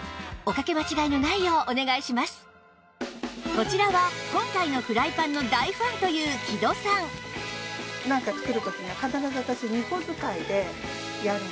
こちらは今回のフライパンの大ファンという木戸さんなんか作る時には必ず私２個使いでやるんですね。